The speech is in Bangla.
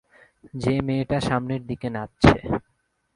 যে মেয়েটা সামনের দিকে নাচছে।